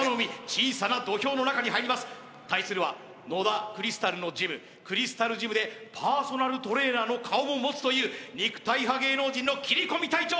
小さな土俵の中に入ります対するは野田クリスタルのジムクリスタルジムでパーソナルトレーナーの顔も持つという肉体派芸能人の切り込み隊長